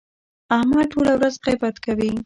احمد ټوله ورځ غیبت کوي.